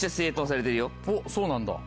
おっそうなんだ。